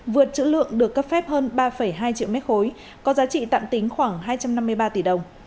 vượt chữ lượng được cấp phép hơn ba hai triệu mét khối có giá trị tạm tính khoảng hai trăm năm mươi ba tỷ đồng